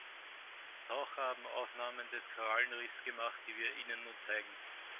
Taucher haben Aufnahmen des Korallenriffs gemacht, die wir Ihnen nun zeigen.